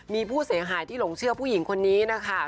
มีผู้เสียหายที่หลงเชื่อผู้หญิงคนนี้นะคะ